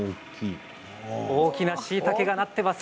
大きなしいたけがなっています。